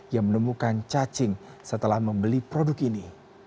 yang menemukan cacing setelah membeli produk ini